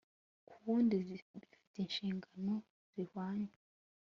ku wundi bifite inshingano zihwanye